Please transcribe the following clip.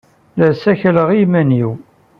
La ssakaleɣ i yiman-inu.